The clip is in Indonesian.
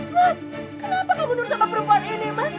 mas kenapa kamu nurut sama perempuan ini mas